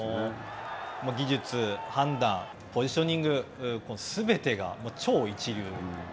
技術、判断、ポジショニング、すべてが超一流。